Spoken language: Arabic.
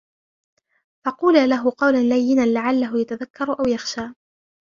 فَقُولَا لَهُ قَوْلًا لَيِّنًا لَعَلَّهُ يَتَذَكَّرُ أَوْ يَخْشَى